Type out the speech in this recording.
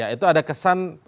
ya itu ada kesan